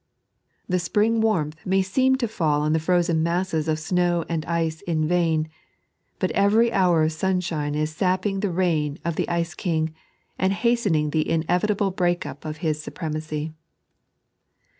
The spring warmth may seem to fall on the frozen masses of anew and ice in vain, but every hour of sunshine is sapping the reign of the ice king, and hastening the inevitable break up of his supremacy.